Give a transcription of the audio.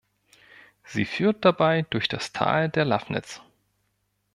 Sie führt dabei durch das Tal der Lafnitz.